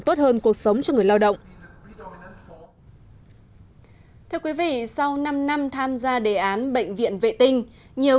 tốt hơn cuộc sống cho người lao động thưa quý vị sau năm năm tham gia đề án bệnh viện vệ tinh nhiều